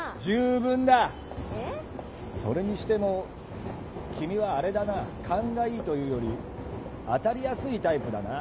それにしても君はあれだな「カンがいい」というより「あたりやすい」タイプだな。